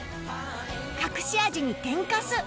隠し味に天かす